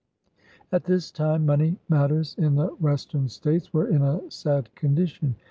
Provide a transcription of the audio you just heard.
" At this time, money matters in the Western States were in a sad condition.